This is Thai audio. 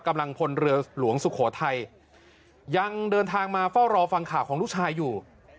กำลังพลเรือหลวงสุโขทัยยังเดินทางมาเฝ้ารอฟังข่าวของลูกชายอยู่